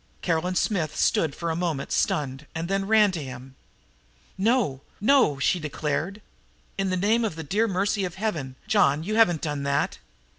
Caroline Smith stood for a moment stunned and then ran to him. "No, no!" she declared. "In the name of the dear mercy of Heaven, John, you haven't done that?"